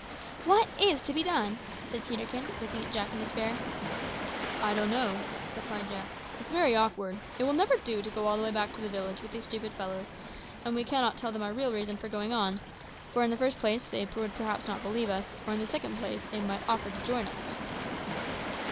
"What is to be done?" said Peterkin, looking at Jack in despair. "I don't know," replied Jack. "It's very awkward. It will never do to go all the way back to the village with these stupid fellows, and we cannot tell them our real reason for going on; for, in the first place, they would perhaps not believe us, or, in the second place, they might offer to join us."